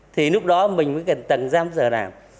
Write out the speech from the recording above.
thì lúc đó mình mới cần tầng giam giờ làm